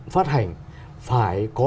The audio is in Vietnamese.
phát hành phải có